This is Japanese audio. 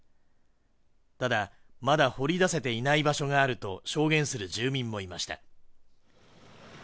ただ、まだ掘り出せていない場所があると証言する住民もいました。